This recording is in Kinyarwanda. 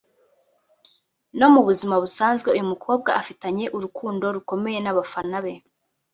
no mu buzima busanzwe uyu mukobwa afitanye urukundo rukomeye n’abafana be